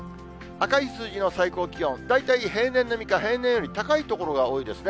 赤い数字の最高気温、大体平年並みか、平年より高い所が多いですね。